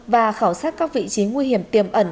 và khảo sát các vị trí nguy hiểm tiềm ẩn